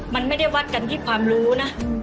มันไม่ได้วัดกันที่ความรู้นะ